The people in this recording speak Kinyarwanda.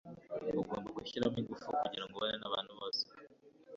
Ugomba gushyiramo ingufu kugirango ubane nabantu bose.